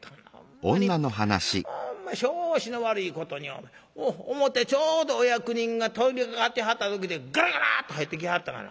ほんま拍子の悪いことに表ちょうどお役人が通りかかってはった時でガラガラッと入ってきはったがな。